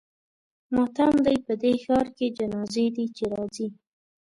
ماتم دی په دې ښار کې جنازې دي چې راځي.